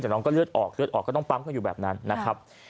แต่น้องก็เลือดออกอะก็ต้องปั๊มอยู่แบบนั้นนะครับ